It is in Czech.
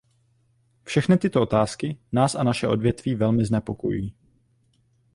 Všechny tyto otázky nás a naše odvětví velmi znepokojují.